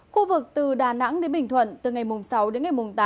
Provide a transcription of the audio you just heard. khu vực từ đà nẵng đến bình thuận từ ngày sáu đến ngày mùng tám